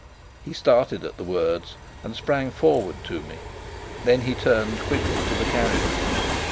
He started at the words, and sprang forward to me. Then he turned quickly to the carrier.